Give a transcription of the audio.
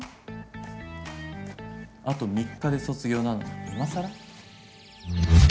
あと３日で卒業なのに今更？